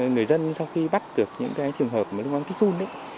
người dân sau khi bắt được những cái trường hợp với nguồn kích run